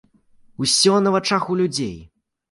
Усё на вачах у людзей.